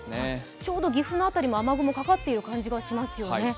ちょうど岐阜の辺りも雨雲、かかっている感じがしますよね。